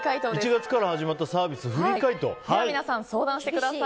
１月から始まったサービスをフリー解答。